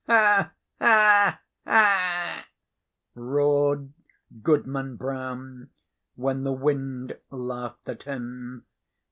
"Ha! ha! ha!" roared Goodman Brown when the wind laughed at him.